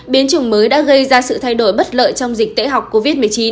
biến chủng mới đã gây ra sự thay đổi bất lợi trong dịch tễ học covid một mươi chín